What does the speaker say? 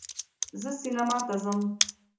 زه سینما ته ځم